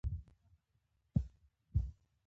هغوی له وېرې شیرینو په منځ کې پرېښووله.